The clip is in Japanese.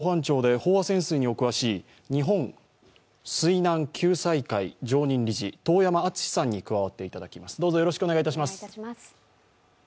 ここからは元海上保安庁で飽和潜水にお詳しい日本水難救済会常任理事、遠山純司さんに加わっていただきます。